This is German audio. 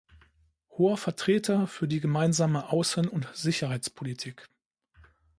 Hoher Vertreter für die gemeinsame Außen- und Sicherheitspolitik.